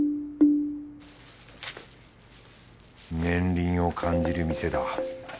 年輪を感じる店だ。